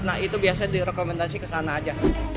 nah itu biasa direkomendasi ke sana aja